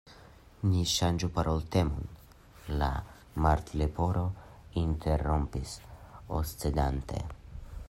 "Ni ŝanĝu la paroltemon," la Martleporo interrompis, oscedante.